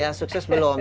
ya sukses belum